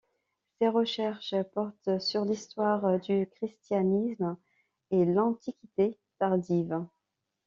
Ses recherches portent sur l'histoire du christianisme et l'Antiquité tardive.